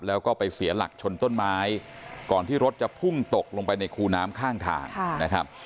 แล้วก็ไปเสียหลักชนต้นไม้ก่อนที่รถจะพุ่งตกลงไปในคูน้ำข้างทางนะครับ